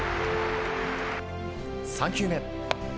３球目。